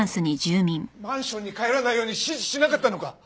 マンションに帰らないように指示しなかったのか！？